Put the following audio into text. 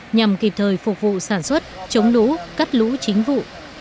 nhằm kịp thời phục vụ sản xuất chống lũ cắt lũ chính vụ